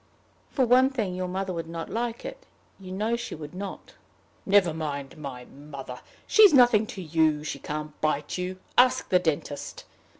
"For one thing, your mother would not like it. You know she would not." "Never mind my mother. She's nothing to you. She can't bite you. Ask the dentist.